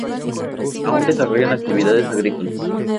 Aún desarrollan actividades agrícolas.